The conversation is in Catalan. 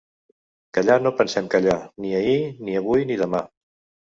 Callar no pensem callar: ni ahir, ni avui, ni demà.